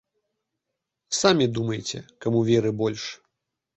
Самі думайце, каму веры больш.